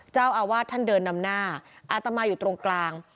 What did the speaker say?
เจ้าอาวาสท่านเดินนำหน้าอาตมาอยู่ตรงกลาง